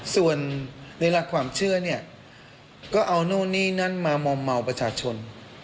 ส่วนในหลักความเชื่อเนี่ยก็เอานู่นนี่นั่นมามอมเมาประชาชน